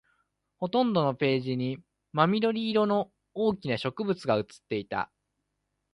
ほとんどのページに真緑色の大きな植物が写っていた